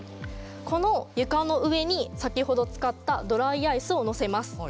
この床の上に先ほど使ったドライアイスを乗せます。